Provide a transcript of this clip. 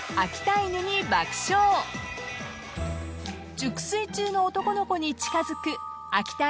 ［熟睡中の男の子に近づく］